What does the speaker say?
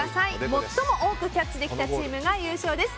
最も多くキャッチできたチームが優勝です。